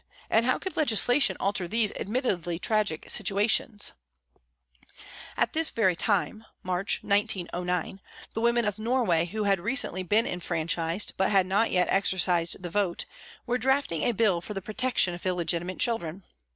and how could legislation alter these admittedly tragic situations ?" At this very time (March, 1909) the women of Norway who had recently been enfranchised, but had not yet exer cised the vote, were drafting a bill for the protection of illegitimate children.